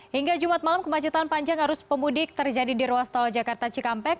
hingga jumat malam kemacetan panjang arus pemudik terjadi di ruas tol jakarta cikampek